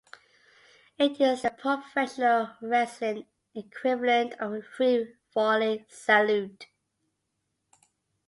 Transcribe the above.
It is the professional wrestling equivalent of a three-volley salute.